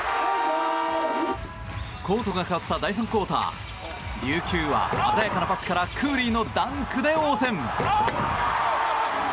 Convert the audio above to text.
コートが変わった第３クオーター琉球は鮮やかなパスからクーリーのダンクで応戦。